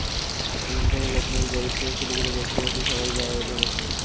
এমন কোনো লোক নাই গরিব থেকে শুরু করে বস্তিবাসী সবাই জড়ায় ধরেছে।